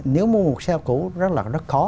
nếu mua một xe cũ rất là rất khó